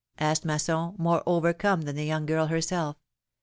'^ asked Masson, more overcome than the young girl herself.